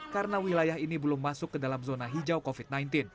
karena wilayah ini belum masuk ke dalam zona hijau covid sembilan belas